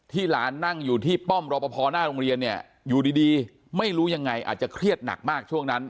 หลานนั่งอยู่ที่ป้อมรอปภหน้าโรงเรียนเนี่ยอยู่ดีไม่รู้ยังไงอาจจะเครียดหนักมากช่วงนั้น